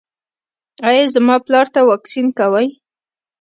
ایا زما پلار ته واکسین کوئ؟